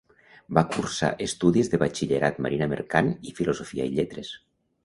Va cursar estudis de batxillerat, marina mercant i filosofia i lletres.